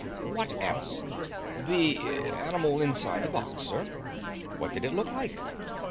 "What animal?" "The animal inside the box, sir." "What did it look like?"